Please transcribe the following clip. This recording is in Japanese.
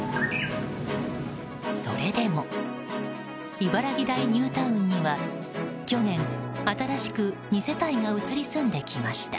それでも茨木台ニュータウンには去年、新しく２世帯が移り住んできました。